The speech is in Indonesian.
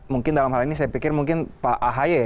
mungkin dalam hal ini saya pikir mungkin pak ahy